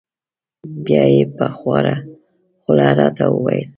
بیا یې په خواره خوله را ته و ویل: